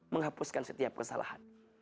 menghapuskan setiap kesalahan